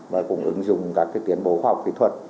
và cũng ứng dụng các tiến bộ khoa học kỹ thuật